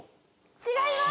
違います！